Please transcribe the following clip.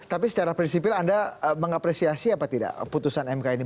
tapi secara prinsipil anda mengapresiasi apa tidak putusan mk ini